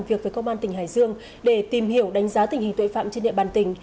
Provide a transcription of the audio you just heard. việc với công an tỉnh hải dương để tìm hiểu đánh giá tình hình tội phạm trên địa bàn tỉnh